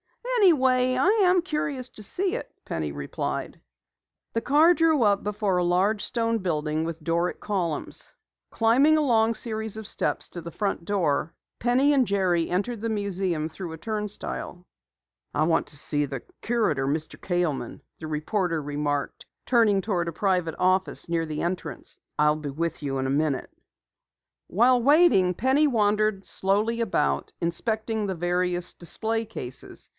"Anyway, I am curious to see it," Penny replied. The car drew up before a large stone building with Doric columns. Climbing a long series of steps to the front door, Penny and Jerry entered the museum through a turnstile. "I want to see the curator, Mr. Kaleman," the reporter remarked, turning toward a private office near the entrance. "I'll be with you in a minute." While waiting, Penny wandered slowly about, inspecting the various display cases.